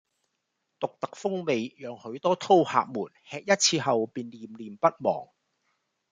獨特風味讓許多饕客們吃一次後便念念不忘